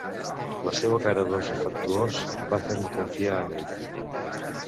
La seua cara d'ós afectuós va fer-me confiar en ell.